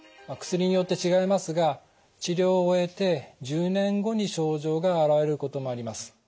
薬によって違いますが治療を終えて１０年後に症状が現れることもあります。